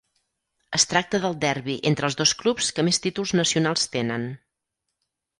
Es tracta del derbi entre els dos clubs que més títols nacionals tenen.